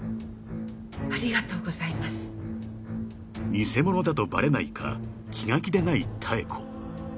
［偽者だとバレないか気が気でない妙子］